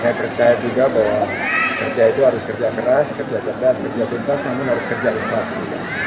saya percaya juga bahwa kerja itu harus kerja keras kerja cerdas kerja tuntas namun harus kerja ilustrasi